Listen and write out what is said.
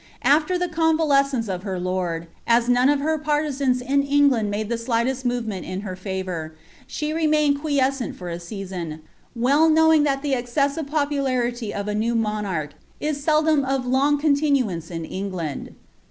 AfWr the eonnte ceneeof her lord, as none of her parliaans in England made the slightM movement in her favour,8he remained quiescent for a season, well know* ing that the excessive popularity of a new monarrh is seldom of loo; eontiniiance in England.